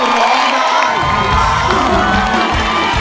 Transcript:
ร้องได้